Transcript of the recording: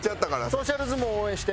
ソーシャル相撲応援して。